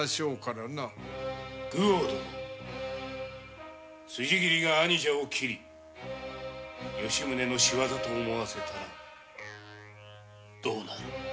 愚翁殿辻斬りが兄上を斬り吉宗の仕業と思わせたらどうなる？